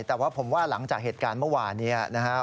แต่ว่าผมว่าหลังจากเหตุการณ์เมื่อวานนี้นะฮะ